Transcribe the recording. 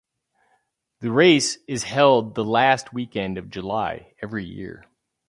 The race is held the last weekend of July every year.